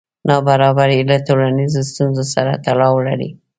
نابرابري له ټولنیزو ستونزو سره تړاو لري.